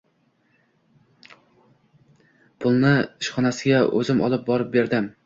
Pulni ishxonasiga o‘zim olib borib berdim.